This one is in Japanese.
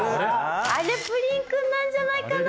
あれプリンくんなんじゃないかな？